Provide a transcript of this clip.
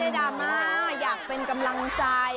ตายได้ดามาอยากเป็นกำลังใจ